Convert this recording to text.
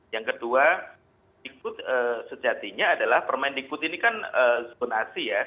yang kedua dikbud sejatinya adalah permendikbud ini kan zonasi ya